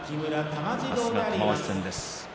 明日は玉鷲戦です。